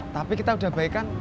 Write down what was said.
tapi kita udah baikan